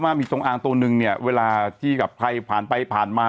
มีจงอางตัวหนึ่งเนี่ยเวลาที่กับใครผ่านไปผ่านมา